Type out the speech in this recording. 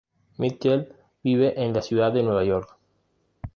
Mitchell vive en la ciudad de Nueva York.